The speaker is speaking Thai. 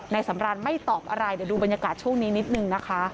สำรานไม่ตอบอะไรเดี๋ยวดูบรรยากาศช่วงนี้นิดนึงนะคะ